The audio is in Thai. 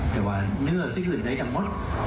แต่ว่าเนื้อสีอื่นได้ทั้งหมด